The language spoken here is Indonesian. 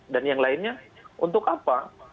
dan yang lainnya untuk apa